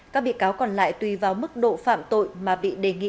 các bị cáo còn lại tùy vào mức độ phạm tội mà bị đề nghị